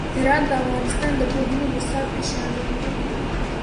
هرات د افغانستان د پوهنې نصاب کې شامل دی.